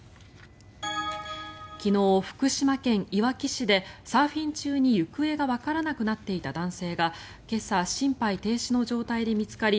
昨日、福島県いわき市でサーフィン中に行方がわからなくなっていた男性が今朝、心肺停止の状態で見つかり